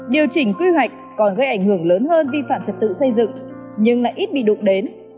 điều chỉnh quy hoạch còn gây ảnh hưởng lớn hơn vi phạm trật tự xây dựng nhưng lại ít bị đụng đến